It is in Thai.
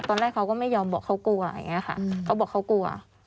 ตอนแรกเขาก็ไม่ยอมบอกเขากลัวอย่างนี้ค่ะเขาบอกเขากลัว